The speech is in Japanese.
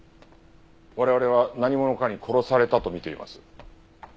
我々は何者かに殺されたとみています。